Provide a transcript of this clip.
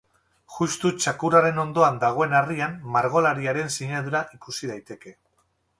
Justu txakurraren ondoan dagoen harrian margolariaren sinadura ikus daiteke.